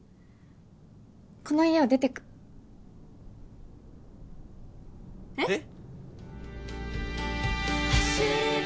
この家を出てくえっ？